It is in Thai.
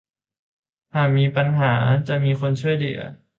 หากมีปัญหาจะมีคนช่วยเหลือ